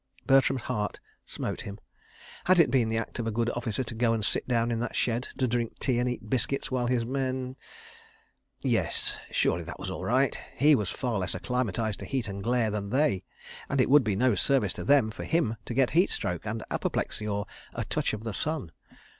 Bertram's heart smote him. Had it been the act of a good officer to go and sit down in that shed, to drink tea and eat biscuits, while his men ...? Yes, surely that was all right. He was far less acclimatised to heat and glare than they, and it would be no service to them for him to get heat stroke and apoplexy or "a touch of the sun."